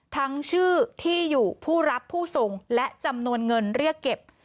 ทั้งชื่อที่อยู่ผู้รับผู้ส่งและจำนวนเงินเรียกเก็บ